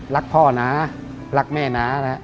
รักพ่อนะรักแม่นะ